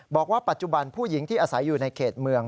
บอกว่าปัจจุบันผู้หญิงที่อาศัยอยู่ในเขตเมือง